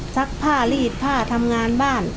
ซักผ้ารีดผ้าทำงานบ้าน